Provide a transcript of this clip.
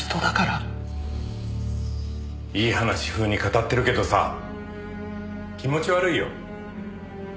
いい話ふうに語ってるけどさ気持ち悪いよ。